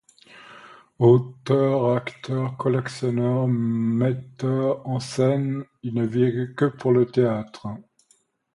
Auteur, acteur, collectionneur, metteur en scène, il ne vivait que pour le théâtre.